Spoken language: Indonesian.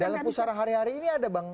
dalam pusaran hari hari ini ada bang